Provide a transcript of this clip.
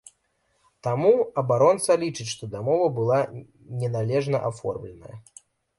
Таму абаронца лічыць, што дамова была неналежна аформленая.